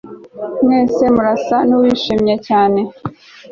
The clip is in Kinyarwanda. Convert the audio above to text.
Mwese murasa nuwishimye cyane